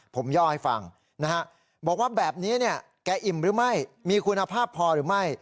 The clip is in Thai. ผมย่อให้ฟังนะฮะบอกว่าแบบนี้เนี่ยแกอิ่มหรือไม่มีคุณภาพพอหรือไม่